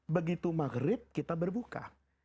begitu maghrib kita berbuka